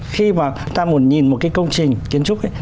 khi mà ta muốn nhìn một cái công trình kiến trúc ấy